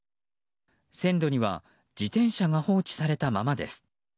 線路には自転車が放置されたままです。